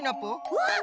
うわっ！